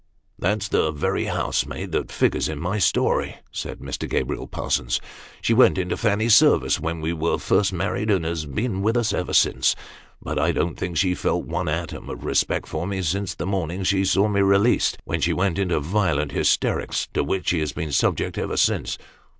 "That's the very housemaid that figures in my story," said Mr. Gabriel Parsons. " She went into Fanny's service when we were first married, and has been with us ever since ; but I don't think she has felt one atom of respect for me since the morning she saw me released, when she went into violent hysterics, to which she has been subject ever since.